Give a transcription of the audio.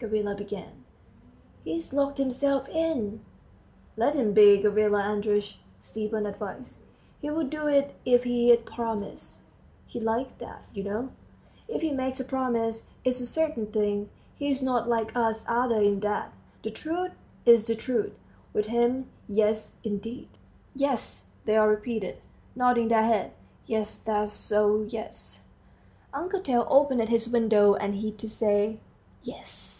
Gavrila began. "He's locked himself in." "Let him be, Gavrila Andreitch," Stepan advised; "he'll do it if he's promised. He's like that, you know. ... If he makes a promise, it's a certain thing. He's not like us others in that. The truth's the truth with him. Yes, indeed." "Yes," they all repeated, nodding their heads, "yes that's so yes." Uncle Tail opened his window, and he too said, "Yes."